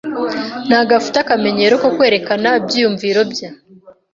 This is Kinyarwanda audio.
Ntabwo afite akamenyero ko kwerekana ibyiyumvo bye.